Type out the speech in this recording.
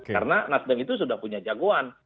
karena nasdem itu sudah punya jagoan